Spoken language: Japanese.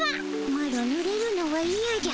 マロぬれるのはいやじゃ。